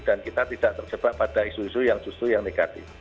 dan kita tidak terjebak pada isu isu yang justru yang negatif